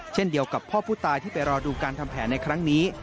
เช่นเดียวกับพ่อผู้ตายที่ไปรอดูการทำแผนในครั้งนี้